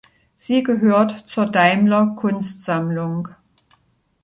Sie gehört zur Daimler Kunstsammlung.